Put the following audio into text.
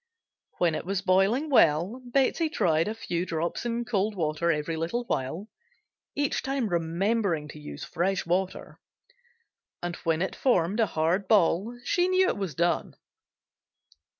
When it was boiling well Betsey tried a few drops in cold water every little while (each time remembering to use fresh water), and when it formed a hard ball she knew it was done.